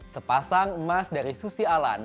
sepasang emas dari susi alan